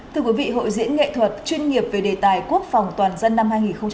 thưa quý vị hội diễn nghệ thuật chuyên nghiệp về đề tài quốc phòng toàn dân năm hai nghìn hai mươi